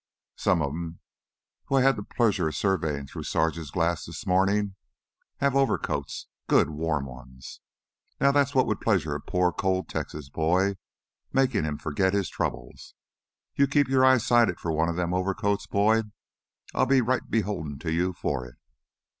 Some o' 'em, who I had the pleasure of surveyin' through Sarge's glasses this mornin', have overcoats good warm ones. Now that's what'd pleasure a poor cold Texas boy, makin' him forgit his troubles. You keep your eyes sighted for one of them theah overcoats, Boyd. I'll be right beholden to you for it."